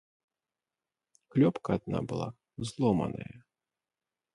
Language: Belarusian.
Клёпка адна была зломаная.